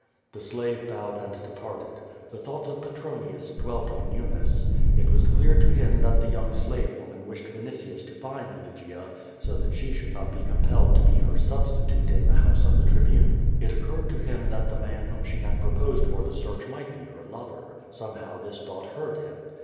The slave bowed and departed. The thoughts of Petro r io6 QUO vADis: nius dwelt on Eunice. It was clear to him that the young slave woman wished Vinitius to find Lygia, so that she should not be compelled to be her substitute in the house of the Tribune. It occurred to him that the man who she had proposed for the search might be her lover. Somehow this thought hurt him.